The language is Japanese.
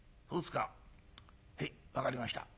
はい分かりました。